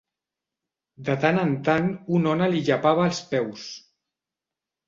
De tant en tant una ona li llepava els peus.